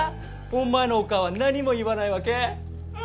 お前のオカーは何も言わないわけ？